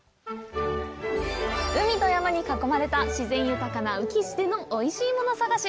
海と山に囲まれた、自然豊かな宇城市でのおいしいもの探し。